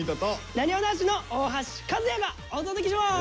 なにわ男子の大橋和也がお届けします！